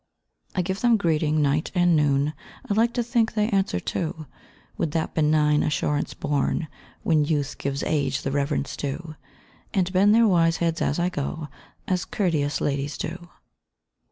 I give them greeting night and morn, I like to think they answer, too, With that benign assurance born When youth gives age the reverence due, And bend their wise heads as I go As courteous ladies do.